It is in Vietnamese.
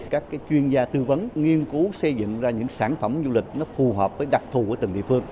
các chuyên gia tư vấn nghiên cứu xây dựng ra những sản phẩm du lịch phù hợp với đặc thù của từng địa phương